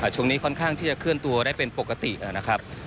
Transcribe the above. ช่วงนี้ค่อนข้างที่จะเคลื่อนตัวได้เป็นปกตินะครับ